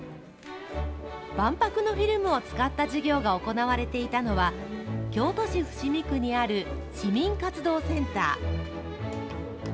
万博のフィルムを使った授業が行われていたのは、京都市伏見区にある市民活動センター。